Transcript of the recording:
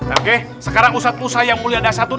oke sekarang ustadz musa yang mulia dan santun